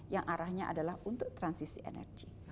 yang arahnya adalah untuk transisi energi